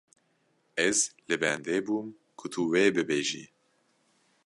Ez li bendê bûm ku tu wê bibêjî.